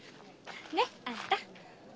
ねえあんた？